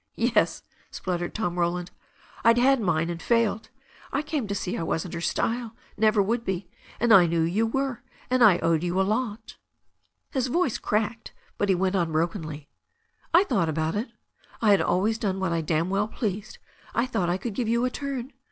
"Yes," spluttered Tom Roland. "I'd had mine and failed. I came to see I wasn't her style, and never would be, and I knew you were, and I owed you a lot " His voice THE STORY OF A NEW ZEALAND RIVER 375 cracked, but he went on brokenly, "I thought about it — I had always done what I damn well pleased — I thought I could give you a turn.